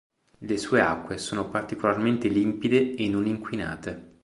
Le sue acque sono particolarmente limpide e non inquinate.